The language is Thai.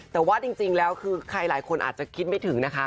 แต่ว่าจริงแล้วคือใครหลายคนอาจจะคิดไม่ถึงนะคะ